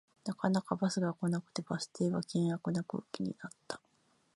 なかなかバスが来なくてバス停は険悪な空気になった